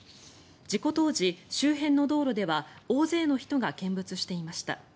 事故当時、周辺の道路では大勢の人が見物していました。